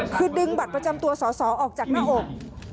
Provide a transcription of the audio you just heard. คือดึงบัตรประจำตัวสอสอออกจากหน้าอก